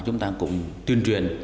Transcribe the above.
chúng ta cũng tuyên truyền